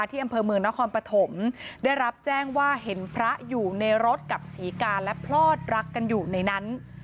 ที่อำเภอเมืองนครปฐมได้รับแจ้งว่าเห็นพระอยู่ในรถกับศรีกาและพลอดรักกันอยู่ในนั้น